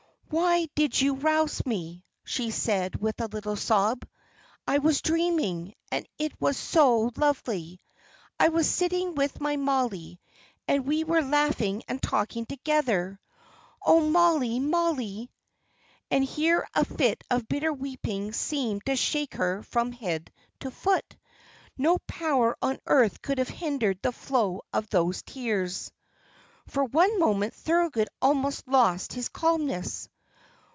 "Why did you rouse me?" she said, with a little sob. "I was dreaming, and it was so lovely. I was sitting with my Mollie, and we were laughing and talking together. Oh, Mollie, Mollie!" And here a fit of bitter weeping seemed to shake her from head to foot. No power on earth could have hindered the flow of those tears. For one moment Thorold almost lost his calmness.